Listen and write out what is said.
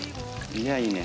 いやいいね。